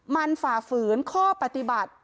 มันฝ่าฝืนข้อปฏิบัติ